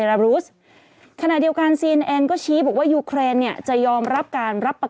ลูคาเซ็นโกได้รึเปล่า